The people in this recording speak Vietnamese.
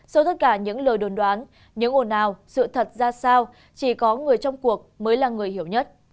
sau tất cả những lời đồn đoán những ồn ào sự thật ra sao chỉ có người trong cuộc mới là người hiểu nhất